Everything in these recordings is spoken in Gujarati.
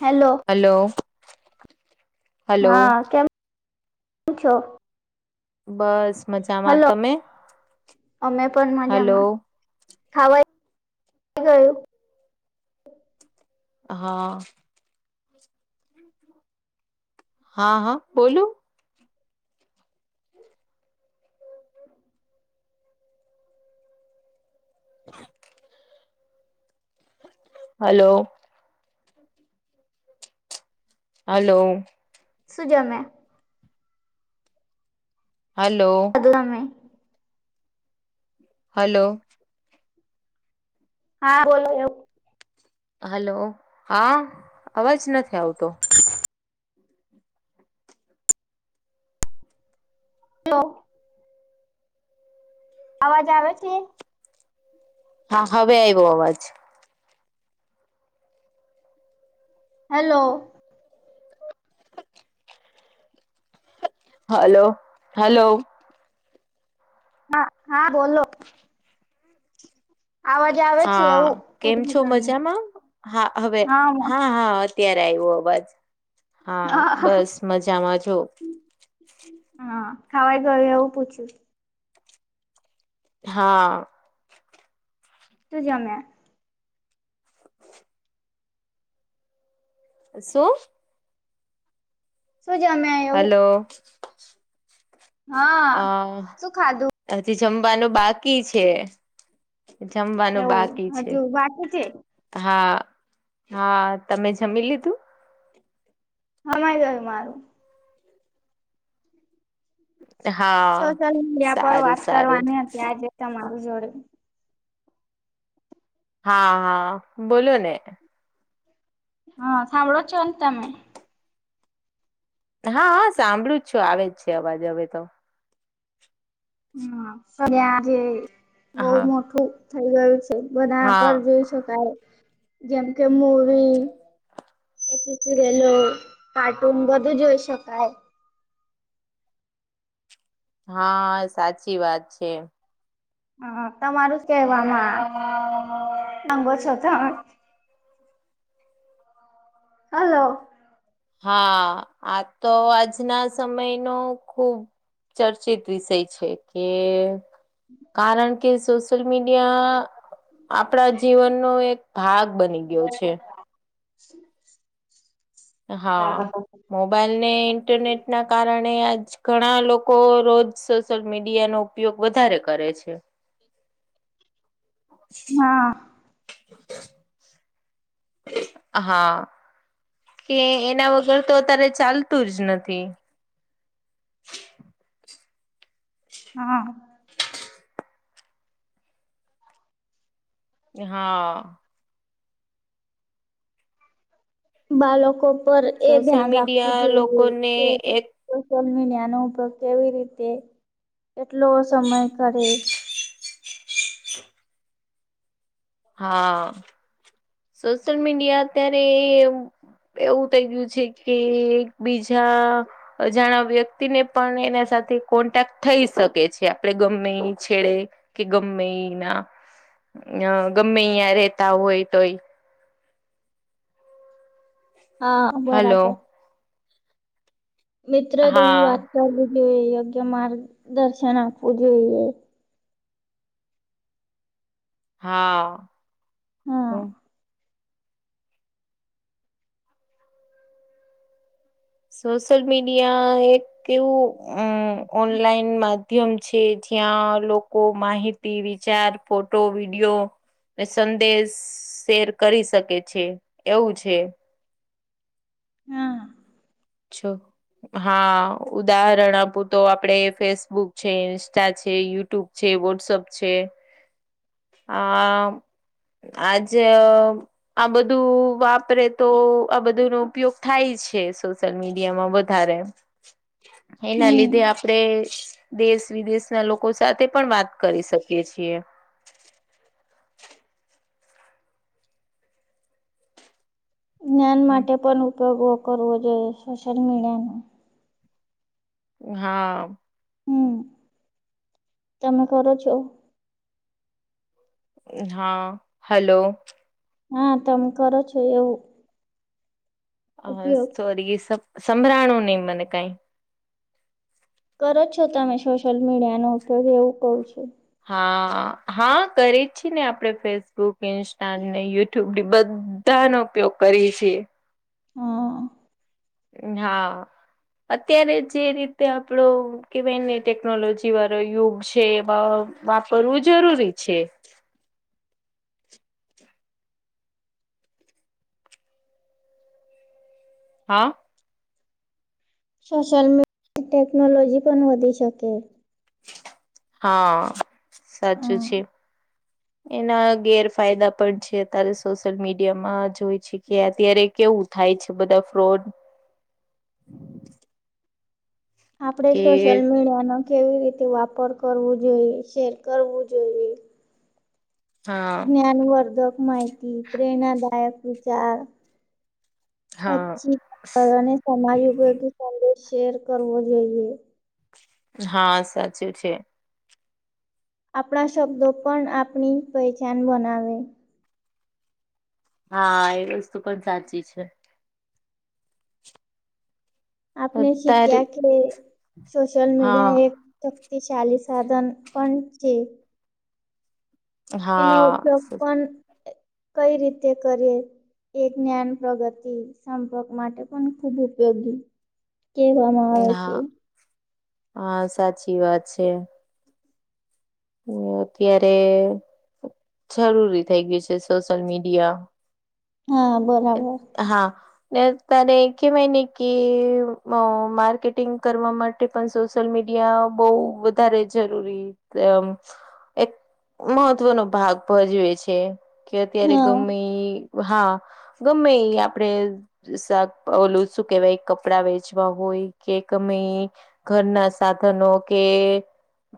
હેલો હલો હલો હા કેમ છો બસ મજામાં હલો તમે અમે પણ હલો મજામાં ખાવા થઇ ગયું હા હા હા બોલું હ હલો હલો શુ જમ્યાં હલો ગુલામે હલો હા બોલો એવું હલો હા અવાજ નથી આવતો ઓ હલો અવાજ આવે છે હા હવે આવ્યો અવાજ હલો હલો હલો હા હા બોલો અવાજ આવે છે હા એવું કેમ પૂછું છો તમને મજામાં હા હવે હા હા અત્યારે આવ્યો અવાજ હા બસ મજામાં જો હા ખાવાઈ ગયુ એવું પૂછ્યું હા તું જમ્યા શું શું જમ્યા એવું હલો હા આ શું ખાધું હજી જમવાનું બાકી છે જમવાનું બાકી એવું છે હજુ બાકી છે હા હા તમે જમી લીધું હા જમાય ગયું મારું હા સોશિયલ મીડિયા પર સારું વાત સારું કરવાની હતી આજે તમારું જોડે હા હા બોલો ને હા સાંભળો છો તમે હા હા સાંભળું જ છુ આવે જ છે અવાજ હવે તો હમ્મ ત્યા જે બહ હા મોટું થઇ ગયું છે બનાવવા હા પર જોઈ શકાય જેમ કે મુવી પછી સિરિયલો કાર્ટૂન બધું જોઈ શકાય હા સાચી વાત છે હ તમારું જ કેહેવામાં રંગો છો ત હલો હા આ તો આજના સમયનો ખુબ ચર્ચિત વિષય છે કે કારણ કે સોશિયલ મીડિયા આપણા જીવનનો એક ભાગ બની ગયો છે [inaudible] હા મોબાઈલ ને ઇન્ટરનેટ ના કારણે આજ ઘણા લોકો રોજ સોશિયલ મીડિયા નો ઉપયોગ વધારે કરે છે [inaudible] [inaudible] હા કે એના વગર તો અત્યારે ચાલતું જ નથી હા હા બાળકો પર એ સોશિયલ ધ્યાન રાખવું મીડિયા જોઈએ લોકોને એ એક સોશિયલ મીડિયાનો ઉપયોગ કેવી રીતે કેટલો સમય કરે હા સોશિયલ મીડિયા અત્યારે એવું થઈ ગયું છે કે એક બીજા અજાણા વ્યક્તિ ને પણ એના સાથે કોન્ટેક્ટ થઈ શકે છે આપડણે ગમે છેડે કે ગમે એ ના અ ગમે અહીં રેતા હોય તોય હા હલો બરાબર મિત્ર જેવી વાત હા કરવી જોઈએ યોગ્ય માર્ગદર્શન આપવું જોઈએ હા હ હા સોશિયલ મીડિયા એક કેવું ઓનલાઈન મા માધ્યમ છે જ્યાં લોકો માહિતી વિચાર ફોટો વિડીયો ને સંદેશ શેર કરી શકે છે એવું છે હા છો હા ઉદાહરણ આપું તો આપડે ફેસબુક છે ઇન્સ્ટા છે યુટ્યુબ છે વોટ્સઅપ છે [inaudible] આ આજ આ બધું વાપરે તો આ બધું નો ઉપયોગ થાય છે. સોશલ મીડિયામાં વધારે એના હમ લીધે આપડે દેશ વિદેશના લોકો સાથે પણ વાત કરી શકીએ છીએ. જ્ઞાન માટે પણ ઉપયોગો કરવો જોઈએ સોશિયલ મીડિયાનો. હા. હમ્મ તમે કરો છો હા હલો હા તમે કરો છો એવું હ ઉપયોગ સોરી સાંભડા નુ મને કઈ કરો છો તમે સોશિયલ મીડિયાનો ઉપયોગ એવું કહું છુ હા હા કરી જ છી ને આપડે ફેસબુક ઇન્સ્ટા ને યુટ્યુબ બધ બધા નો ઉપયોગ કરી છેીએ હા હા અત્યારે જે રીતે આપડો કે ભાઈને ટેકનોલોજી વાળો યુગ છે એમાં વાપરવું જરૂરી છે. હા. સોશિયલ મી ટેકનોલોજી પણ વધી શકે. હા સાચું હા છે. એના ગેરફાયદા પણ છે અત્યારે સોશિયલ મીડિયામાં જોય છે કે અત્યારે કેવું થાય છે બધા ફ્રોડ આપણે કે સોશિયલ મીડિયા નો કેવી રીતે વાપર કરવો જોઈએ શેર કરવું જોઈએ હા જ્ઞાનવર્ધક માહિતી પ્રેરણાદાયક વિચાર હા પછી અને સમાજ ઉપયોગી સંદેશ શેર કરવો જોઈએ. હા સાચું છે. આપણા શબ્દો પણ આપણી પહેચાન બનાવે હા એ વસ્તુ પણ સાચી છે. આપણે અત્યારે શીખ્યા કે સોશિયલ હા મીડિયા એક શક્તિશાલી સાધન પણ છે. એનો હા ઉપયોગ પણ કઈ રીતે કરીએ. એ જ્ઞાન પ્રગતિ સંપર્ક માટે પણ ખૂબ ઉપયોગી કેહેવામાં આવે છે. હા હા સાચી વાત છે. ને અત્યારે જરૂરી થઈ ગય છે સોશિયલ મીડિયા. હા બરાબર. હા ને તને કહેવાય ને કે અ માર્કેટિંગ કરવા માટે પણ સોશિયલ મીડિયા બહ વધારે જરૂરી એક મહત્વનો ભાગ ભજવે છે. કે અત્યારે હા ગમે હા ગમે આપડે શાક ઓલું શું કેવાય કપડાં વેચવા હોય કેમે ઘરના સાધનો કે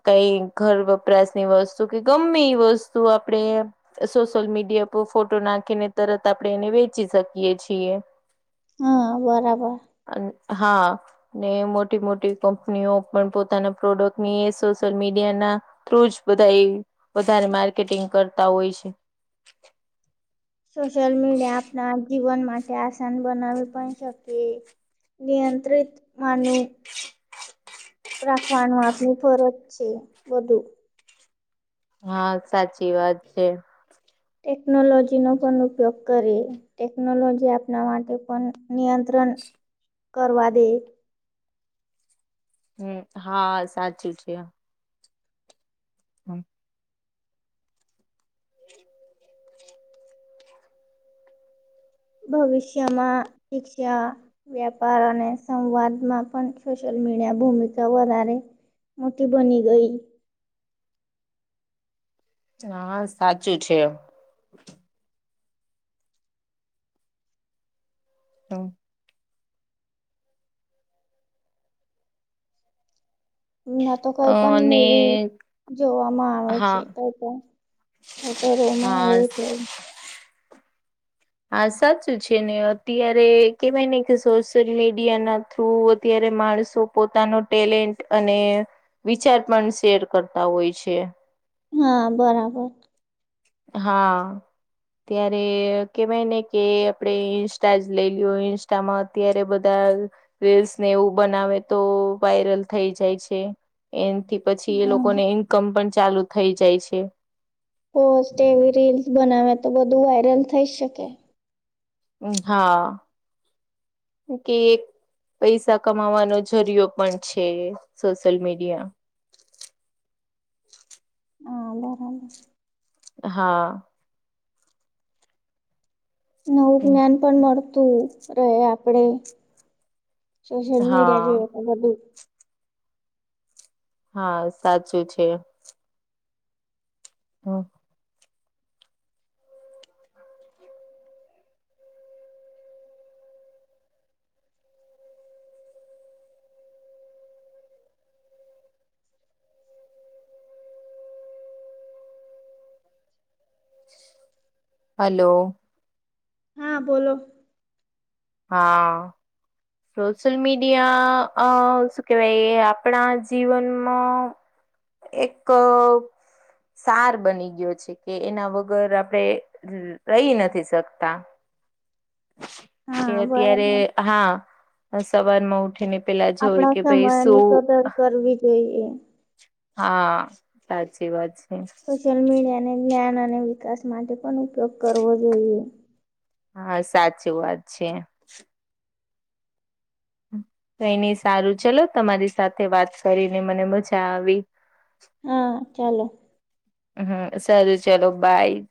કઈ ઘર વપરાશની વસ્તુ કે ગમે એ વસ્તુ આપણેે સોશિયલ મીડિયા પર ફોટો નાખીને તરત આપણે એને વેચી શકીએ છીએ. હા બરાબર. હા. ને મોટી મોટી કંપનીઓ પણ પોતાના પ્રોડક્ટ ની સોશિયલ મીડિયા ના થ્રુજ બધા એ વધારે માર્કેટિંગ કરતા હોય છે. સોશિલ મીડિયા આપના જીવન માટે આસાન બનાવી પણ શકે નિયંત્રિત માનું રાખવાનું આપની ફરજ છે બધું હા સાચી વાત છે. ટટેકનોલોજીનો પણનુપયોગ કરી. ટેકનોલોજી આપણા માટે પણ નિયંત્રણ કરવા દે હમ હા સાચું છે. હમ હ ભવિષ્યમાં શીખ્યા વ્યાપાર અને સંવાદમાં પણ સોશિયલ મીડિયા ભૂમિકા વધારે મોટી બની ગઈ હા સાચું છે. હા. ના તો કઈ અ પણ અને મૂવી જોવામાં આવે હા છે કઈ પણ થેટરોમાં હા એ છે. હા સાચું છે ને અત્યારે કેવાય ને કે સોશિયલ મીડિયા ના થ્રુ અત્યારે માણસો પોતાનો ટેલેન્ટ અને. વિચાર પણ શેર કરતા હોય છે. હા બરાબર. હા. ત્યારે કેવાય ને કે આપણે ઇન્સ્ટા જ લઈ લ ઇન્સ્ટામાં. અ્યારે બધા રીલ્સને એવું બનાવે તો વાયરલ થઈ જાય છે. એનાથી પછી એ હમ લોકોને ઇન્કમ પણ ચાલુ થઈ જાય છે. હો વી રીલ્સ બનાવે તો બધું વાયરલ થઈ શકે. હા કે એક. પૈસા કમાવાનો જરિયો પણ છે સોશિયલ મીડિયા. હા બરાબર. હા. નવું જ્ઞાન પણ મળતું રહે આપડે. સોશિયલ મીડિયા જો હા તો બધું. હા સાચું છે. હ. હલો. હા બોલો. હા. સોશિયલ મીડિયા અ શું કેવાય આપણા જીવનમાં. એક સાર બની ગયો છે કે એના વગર આપડે. રહી નથી શકતા. [inaudible] છે અત્યારે બરાબર હા. સવારમાં ઉઠી ને પેલા જોય આપણા કે ભાઈ સમયની કદર શું. કરવી જોઈએ હા સાચી વાત છે. સોશિયલ મીડિયાને જ્ઞાન અને વિકાસ માટે પણ ઉપયોગ કરવો જોઈએ. હા સાચી વાત છે. કઈ નઈ સારું ચલો તમારી સાથે વાત કરીને મને મજા આવી. હા ચાલો. હ સર ચલો બાય.